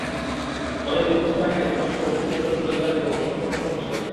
Snowden দুই বছর আগে যুক্তরাষ্ট্রসহ মিত্র দেশগুলোর নজরদারির গোপন নথিপত্র ফাঁস করেন।